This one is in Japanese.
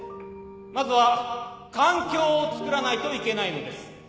まずは環境をつくらないといけないのです。